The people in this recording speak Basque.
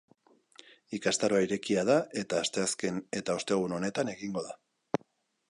Ikastaroa irekia da eta asteazken eta ostegun honetan egingo da.